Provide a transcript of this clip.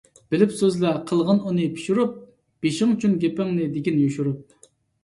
بىلىپ سۆزلەپ، قىلغىن ئۇنى پىشۇرۇپ، بېشىڭچۈن گېپىڭنى دېگىن يوشۇرۇپ.